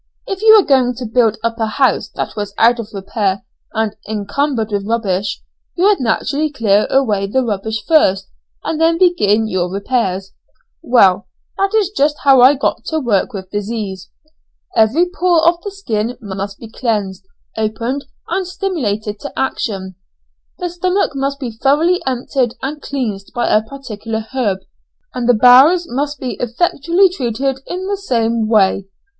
If you were going to build up a house that was out of repair and encumbered with rubbish, you would naturally clear away the rubbish first and then begin your repairs. Well, that is just how I go to work with disease. Every pore of the skin must be cleansed, opened, and stimulated to action. The stomach must be thoroughly emptied and cleansed by a particular herb, and the bowels must be effectually treated in the same way.